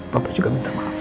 papa juga minta maaf ya